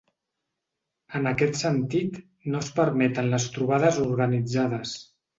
En aquest sentit, no es permeten les trobades organitzades.